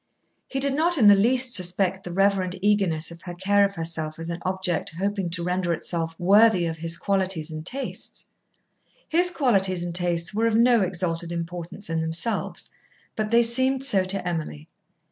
He did not in the least suspect the reverent eagerness of her care of herself as an object hoping to render itself worthy of his qualities and tastes. His qualities and tastes were of no exalted importance in themselves, but they seemed so to Emily.